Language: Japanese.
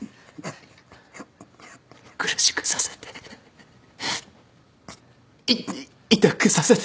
苦しくさせてい痛くさせて